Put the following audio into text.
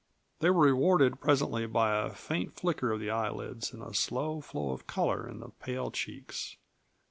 They were rewarded presently by a faint flicker of the eyelids and a slow flow of color in the pale cheeks.